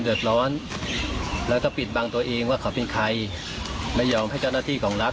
เดี๋ยวไปดูกันนะครับ